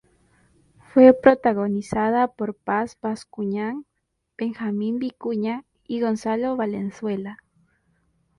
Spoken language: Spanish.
Fue protagonizada por Paz Bascuñán, Benjamín Vicuña y Gonzalo Valenzuela.